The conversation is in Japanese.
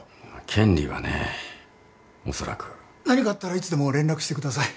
権利はねおそらく。何かあったらいつでも連絡してください。